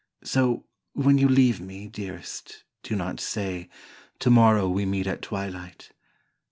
So when you leave me, dearest, do not say : "Tomorrow we meet at twilight."